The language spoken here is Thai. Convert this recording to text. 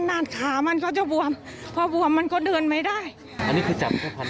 อันนี้คือจับแบบพันเยอะนิดเดียว